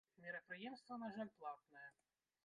Мерапрыемства, на жаль, платнае!